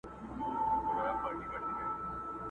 غازي دغه یې وخت دی د غزا په کرنتین کي!.